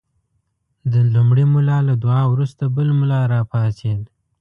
د لومړي ملا له دعا وروسته بل ملا راپاڅېد.